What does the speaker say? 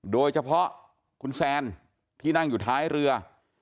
โดยเฉพาะคุณแซนที่นั่งอยู่ท้ายเรือ